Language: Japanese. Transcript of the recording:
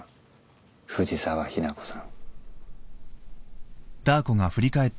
藤沢日奈子さん。